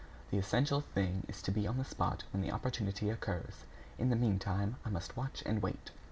"The essential thing is to be on the spot when the opportunity occurs. In the meantime, I must watch and wait."